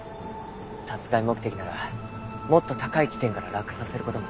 殺害目的ならもっと高い地点から落下させる事も可能ですので。